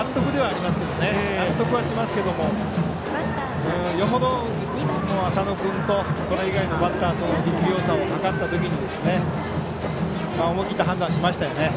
納得はしますけどよほど浅野君とそれ以外のバッターとの力量差をはかった時に思い切った判断をしましたね。